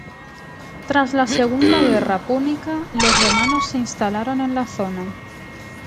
Tras la segunda guerra púnica los romanos se instalaron en la zona.